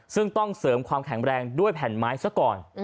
ซึ่งต้องเสริมความแข็งแรงด้วยแผ่นไม้ซะก่อน